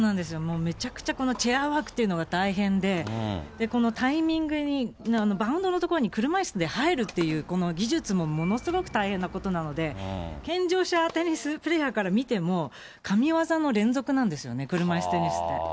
めちゃくちゃこの、チェアワークっていうのが大変で、このタイミングに、バウンドのところに車いすで入るっていう、この技術もものすごく大変なことなので、健常者テニスプレーヤーから見ても、神業の連続なんですよね、車いすテニスって。